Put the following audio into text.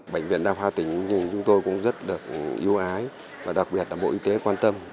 bệnh viện đa khoa tỉnh ninh chúng tôi cũng rất được yêu ái và đặc biệt là bộ y tế quan tâm